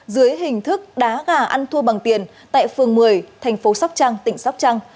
dưới hình thức đá gà ăn thua bằng tiền tại phường một mươi tp sóc trăng tỉnh sóc trăng